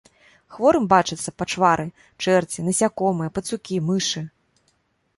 Хворым бачацца пачвары, чэрці, насякомыя, пацукі, мышы.